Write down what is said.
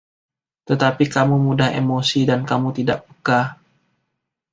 Tetapi kamu mudah emosi dan kamu tidak peka.